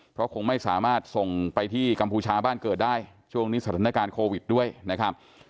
เพราะคงไม่สามารถส่งไปที่กัมพูชาบ้านเกิดได้ช่วงนี้สถานการณ์โควิดด้วยนะครับ